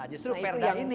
nah justru perdang ini